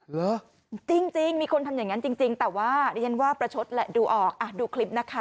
เหรอจริงมีคนทำอย่างนั้นจริงแต่ว่าดิฉันว่าประชดแหละดูออกอ่ะดูคลิปนะคะ